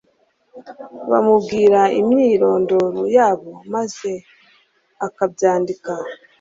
bamubwira imyirondoro yabo maze akabyandika.